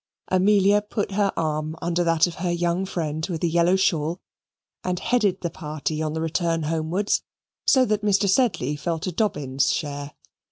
Amelia put her arm under that of her young friend with the yellow shawl and headed the party on their return homewards, so that Mr. Sedley fell to Dobbin's share.